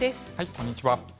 こんにちは。